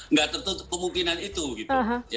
nggak tertutup kemungkinan itu gitu